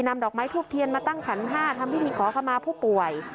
นำดอกไม้ทูบเทียนมาตั้งขันห้าทำพิธีขอขมาผู้ป่วย